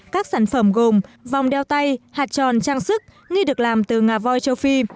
các sản phẩm gồm vòng đeo tay hạt tròn trang sức nghi được làm từ ngà voi châu phi